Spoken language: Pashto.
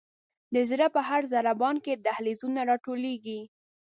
د زړه په هر ضربان کې دهلیزونه را ټولیږي.